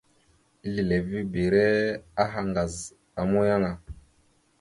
Ezlilivibire aha ŋgaz a muyaŋ a.